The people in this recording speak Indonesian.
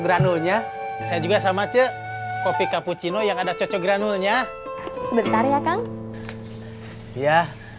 granulnya saya juga sama cek kopi cappuccino yang ada cocok granulnya bentar ya kang ya